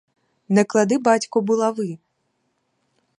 Не клади, батьку, булави!